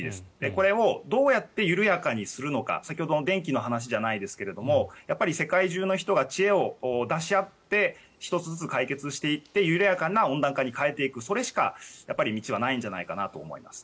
これをどうやって緩やかにするのか先ほどの電気の話じゃないですけど世界中の人が知恵を出し合って１つずつ解決していって緩やかな温暖化に変えていくそれしか道はないんじゃないかなと思います。